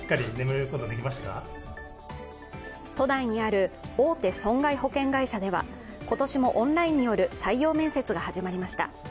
都内にある大手損害保険会社では、今年もオンラインによる採用面接が始まりました。